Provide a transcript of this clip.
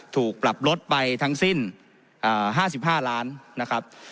ถูกปรับลดไปทั้งสิ้น๕๕ล้านนะครับ